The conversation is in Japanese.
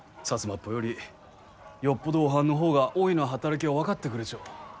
っぽよりよっぽど、おはんの方がおいの働きを分かってくれちょ。